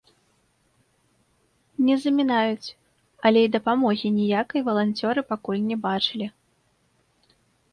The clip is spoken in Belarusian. Не замінаюць, але і дапамогі ніякай валанцёры пакуль не бачылі.